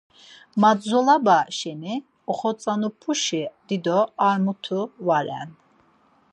Magzolaba şeni oxotzonapuşi dido ar mutu va ren.